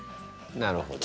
なるほど。